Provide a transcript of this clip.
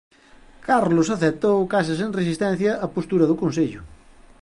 Carlos aceptou case sen resistencia a postura do consello.